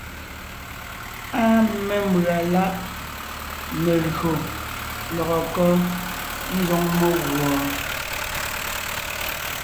Áa mémbʉ̀a láʼ melÿò lɔgɔ kɔ́ ńzoŋ meguɔ?